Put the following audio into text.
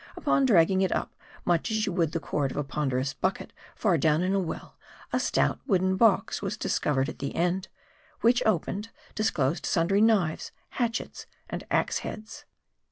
Upon dragging it up much as you would the cord of a ponderous bucket far down in a well a stout wooden box was discovered at the end ; which opened, disclosed sundry knives, hatchets, and ax heads.